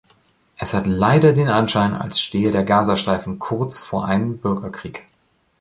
Es hat leider den Anschein, als stehe der Gazastreifen kurz vor einen Bürgerkrieg.